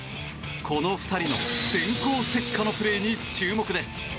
この２人の電光石火のプレーに注目です。